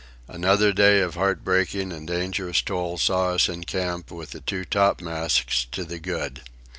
Another day of heart breaking and dangerous toil saw us in camp with the two topmasts to the good.